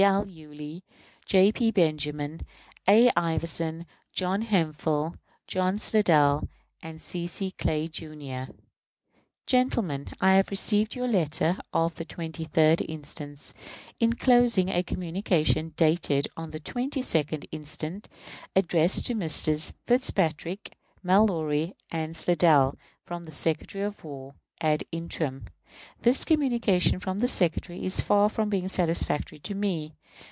L. Yulee, J. P. Benjamin, A. Iverson, John Hemphill, John Slidell, and C. C. Clay, Jr. Gentlemen: I have received your letter of the 23d inst., inclosing a communication dated the 22d inst., addressed to Messrs. Fitzpatrick, Mallory, and Slidell, from the Secretary of War ad interim. This communication from the Secretary is far from being satisfactory to me.